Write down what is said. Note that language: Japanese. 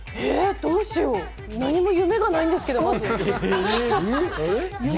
どうしよう、何も夢がないんですけど。